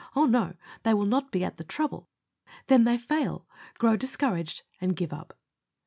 Oh! no: they will not be at the trouble. Then they fail, grow discouraged, and give up.